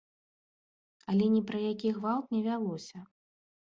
Але ні пра які гвалт не вялося.